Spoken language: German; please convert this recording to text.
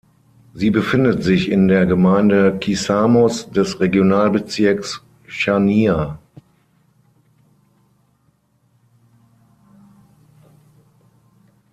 Sie befindet sich in der Gemeinde Kissamos des Regionalbezirks Chania.